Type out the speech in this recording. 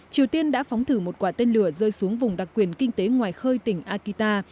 triều tiên đã phóng thử một quả tên lửa rơi xuống vùng đặc quyền kinh tế ngoài khơi tỉnh akita